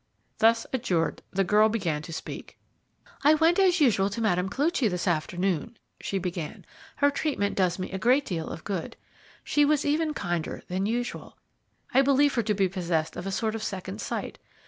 Thus adjured, the girl began to speak. "I went as usual to Mme. Koluchy this afternoon," she began; "her treatment does me a great deal of good. She was even kinder than usual. I believe her to be possessed of a sort of second sight.